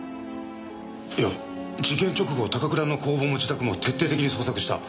いや事件直後は高倉の工房も自宅も徹底的に捜索した。